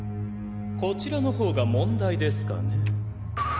こちらのほうが問題ですかね。